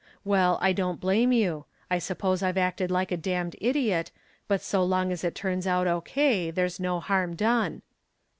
Well, I don't blame you; I suppose I've acted like a damned idiot, but so long as it turns out O.K. there's no harm done.